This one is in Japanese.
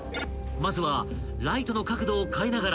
［まずはライトの角度を変えながら］